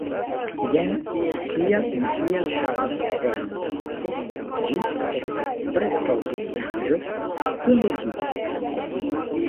Jen kial mi ial ŝatas Esperanton ĝi estas preskaŭ pentraĵo kun logiko